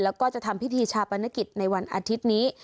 แล้วก็จะทำพิธีชาปนกิจในวันอาทิตย์นี้